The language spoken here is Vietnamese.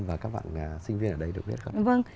và các bạn sinh viên ở đây được biết không